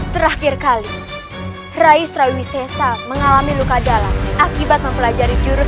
terakhir kali rais raiwisesa mengalami luka dalam akibat mempelajari jurus